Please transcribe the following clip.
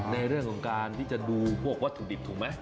ในเรื่องของการที่จะดูพวกวัตถุดิบถูกไหม